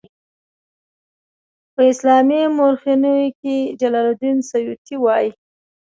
په اسلامي مورخینو کې جلال الدین سیوطي وایي.